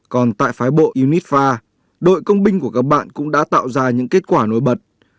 còn tại phái bộ unifa đội công binh của các bạn cũng đã tạo ra những kết quả nổi bật